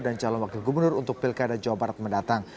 dan calon wakil gubernur untuk pilkada jawa barat mendatang